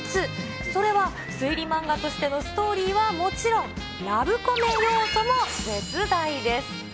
それは推理漫画としてのストーリーはもちろん、ラブコメ要素も絶大です。